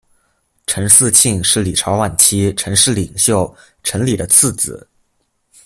陈嗣庆是李朝晚期陈氏领袖陈李的次子。